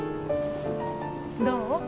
どう？